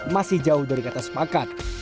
masih jauh dari kata sepakat